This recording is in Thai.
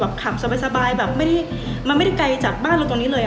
แบบขับสบายแบบมันไม่ได้ไกลจากบ้านเราตรงนี้เลย